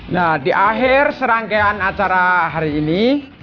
nah di akhir serangkaian acara hari ini